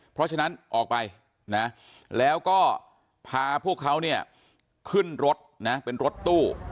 เพราะฉะนั้นออกไปนะแล้วก็พาพวกเขาเนี่ยขึ้นรถนะเป็นรถตู้